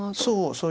そう。